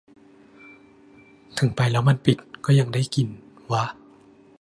ถึงไปแล้วมันปิด ก็ยังได้กิน วะ